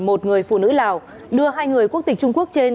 một người phụ nữ lào đưa hai người quốc tịch trung quốc trên